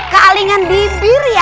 kalingan bibir ya